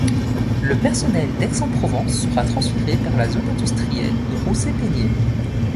Le personnel d'Aix-en-Provence sera transféré vers la zone industrielle de Rousset-Peynier.